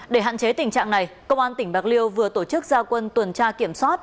để hạn chế tình trạng này công an tỉnh bạc liêu vừa tổ chức gia quân tuần tra kiểm soát